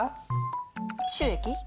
収益？